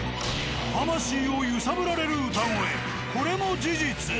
魂を揺さぶられる歌声これも事実。